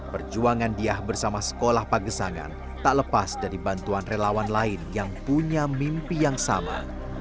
perjuangan diah bersama sekolah pagesangan tak lepas dari bantuan relawan lain yang punya mimpi yang sama